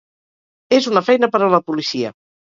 És una feina per a la policia!